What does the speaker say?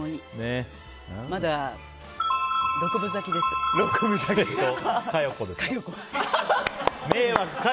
まだ６分咲きです、佳代子。